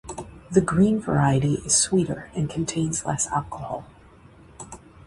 The green variety is sweeter and contains less alcohol.